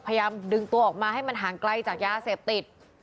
พยายามดึงตัวออกมาให้มันห่างไกลจากยาเสพติด